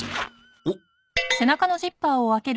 おっ？